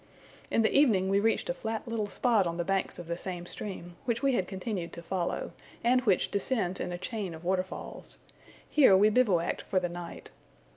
In the evening we reached a flat little spot on the banks of the same stream, which we had continued to follow, and which descends in a chain of waterfalls: here we bivouacked for the night.